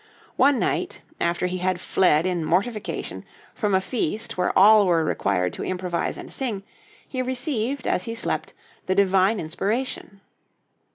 One night, after he had fled in mortification from a feast where all were required to improvise and sing, he received, as he slept, the divine inspiration.